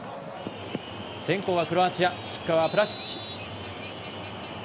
先攻はクロアチアキッカーはブラシッチ。